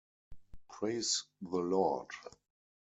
Praise the Lord!